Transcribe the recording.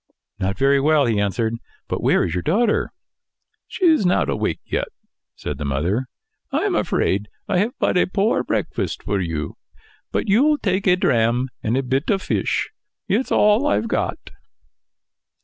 "Not very well," he answered. "But where is your daughter?" "She's not awake yet," said the mother. "I'm afraid I have but a poor breakfast for you. But you'll take a dram and a bit of fish. It's all I've got."